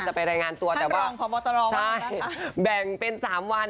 จะไปรายงานตัวแต่ว่าแบ่งเป็น๓วัน